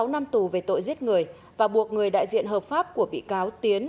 sáu năm tù về tội giết người và buộc người đại diện hợp pháp của bị cáo tiến